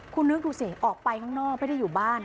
คุณนึกดูสิออกไปข้างนอกไม่ได้อยู่บ้าน